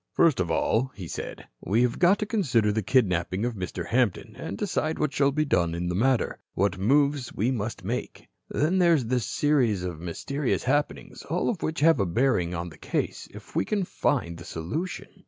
"First of all," he said, "we have got to consider the kidnapping of Mr. Hampton and decide what shall be done in the matter, what moves we must make. Then there is this series of mysterious happenings, all of which have a bearing on the case, if we can find the solution.